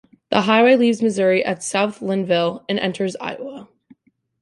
The highway leaves Missouri at South Lineville and enters Iowa.